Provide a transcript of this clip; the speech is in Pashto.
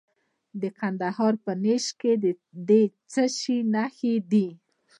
د کندهار په نیش کې د څه شي نښې دي؟